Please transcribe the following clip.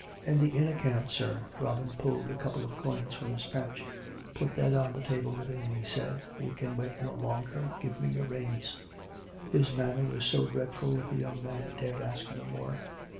" And the inn account, sir? " Robin pulled out a couple of coins from his pouch. " Put that on the table within," he said. " We can wait no longer. Give me your reins !" His manner was so dreadful that the young man dared ask no more.